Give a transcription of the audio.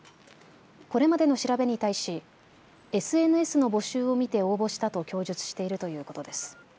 これまでの調べに対しＳＮＳの募集を見て応募したと供述しているということです。